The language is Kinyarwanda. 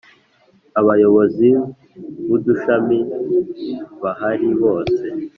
Abayobozi b ‘Udushami bahari bose.